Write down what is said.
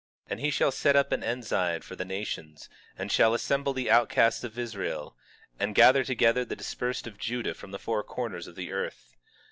21:12 And he shall set up an ensign for the nations, and shall assemble the outcasts of Israel, and gather together the dispersed of Judah from the four corners of the earth.